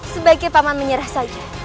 sebaiknya paman menyerah saja